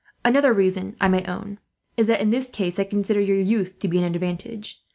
"Another reason, I may own, is that in this case I consider your youth to be an advantage.